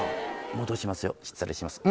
戻しますよ失礼します。